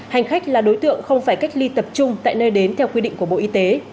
hành khách là đối tượng không phải cách ly tập trung tại nơi đến theo quy định của bộ y tế